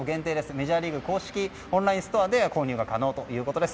メジャーリーグ公式のオンラインストアで購入可能ということです。